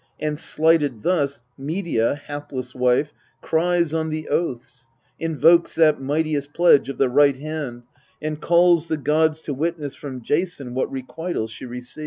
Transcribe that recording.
And, slighted thus, Medea, hapless wife, Cries on the oaths, invokes that mightiest pledge Of the right hand, and calls the gods to witness From Jason what requital she receives.